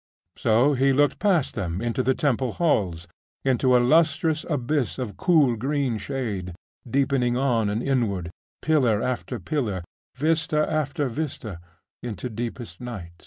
So he looked past them into the temple halls; into a lustrous abyss of cool green shade, deepening on and inward, pillar after pillar, vista after vista, into deepest night.